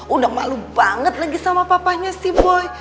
udah malu banget lagi sama papanya si boy